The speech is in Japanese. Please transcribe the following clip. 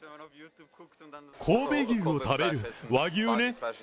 神戸牛を食べる、和牛ね。